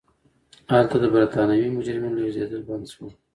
هلته د برېټانوي مجرمینو لېږدېدل بند شول.